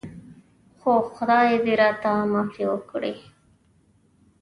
خو خدای دې راته معافي وکړي.